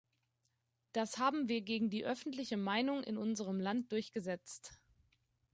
Das haben wir gegen die öffentliche Meinung in unserem Land durchgesetzt.